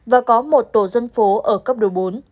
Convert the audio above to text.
và có một tổ dân phố ở cấp độ bốn